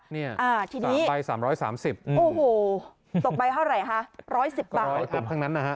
นี่๓ใบ๓๓๐โอ้โหตกใบเท่าไหร่ฮะ๑๑๐บาท